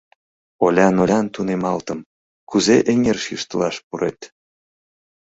Олян-олян тунемалтым, кузе эҥерыш йӱштылаш пурет.